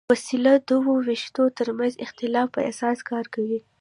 دا وسیله د دوو وېشونو تر منځ د اختلاف په اساس کار کوي.